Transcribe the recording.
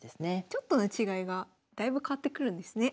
ちょっとの違いがだいぶ変わってくるんですね。